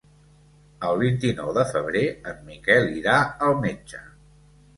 El vint-i-nou de febrer en Miquel irà al metge.